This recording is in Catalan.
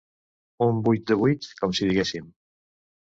Un vuit de vuit, com si diguéssim.